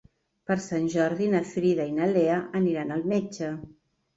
Per Sant Jordi na Frida i na Lea aniran al metge.